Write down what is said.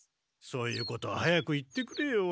そういうことは早く言ってくれよ。